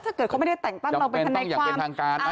ถ้าเขาไม่ได้แต่งตั้งเราจะไม่ต้องการ